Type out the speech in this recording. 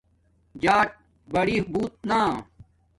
جݳٹ بڑی بُݹت نݳ